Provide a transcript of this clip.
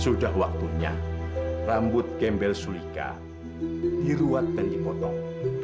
sudah waktunya rambut gembel sulika diruat dan dipotong